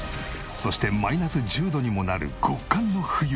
そしてマイナス１０度にもなる極寒の冬。